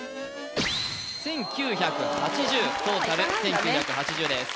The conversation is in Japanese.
１９８０トータル１９８０です